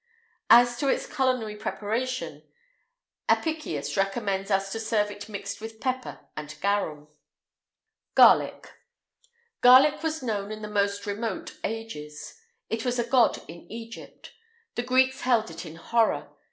As to its culinary preparation, Apicius recommends us to serve it mixed with pepper and garum.[IX 183] GARLIC. Garlic was known in the most remote ages. It was a god in Egypt.[IX 184] The Greeks held it in horror.